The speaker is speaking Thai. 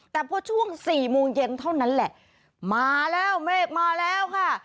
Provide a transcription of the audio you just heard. แต่พอช่วงสี่โมงเย็นเท่านั้นแหละมาแล้วเมฆมาแล้วค่ะ